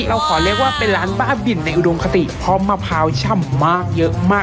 เราขอเรียกว่าเป็นร้านบ้าบินในอุดมคติพร้อมมะพร้าวช่ำมากเยอะมาก